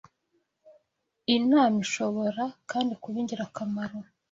inama Ishobora kandi kuba ingirakamaro